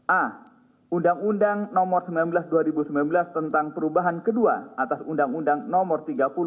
a undang undang nomor sembilan belas dua ribu sembilan belas tentang perubahan kedua atas undang undang nomor tiga puluh dua